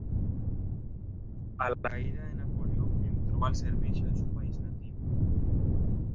A la caída de Napoleón entró al servicio de su país nativo.